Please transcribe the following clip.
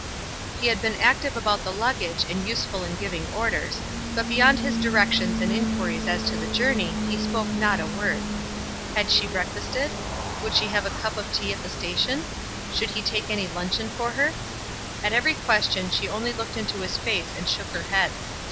He had been active about the luggage and useful in giving orders; but beyond his directions and inquiries as to the journey, he spoke not a word. Had she breakfasted? Would she have a cup of tea at the station? Should he take any luncheon for her? At every question she only looked into his face and shook her head.